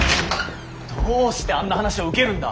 どうしてあんな話を受けるんだ？